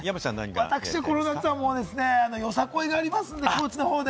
私はこの夏、よさこいがありますんで、高知のほうで。